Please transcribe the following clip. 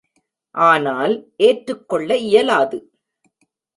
ஆனால், ஏற்றுக்கொள்ள இயலாது.